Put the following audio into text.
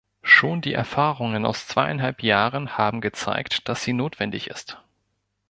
Schon die Erfahrungen aus zweieinhalb Jahren haben gezeigt, das sie notwendig ist.